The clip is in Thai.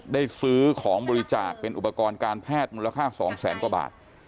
ได้ซื้อของบริจาคเป็นอุปกรณ์การแพทย์มูลค่า๒แสนกว่าบาท